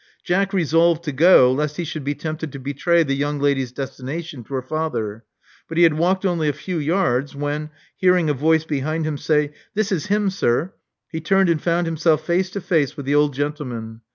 Jack resolved to go, lest he should be tempted to betray the young lady's destination to her father; but he had walked only a few yards, when, hearing a voice behind him say, This is him, sir," he turned and found himself face to face with the old gentleman.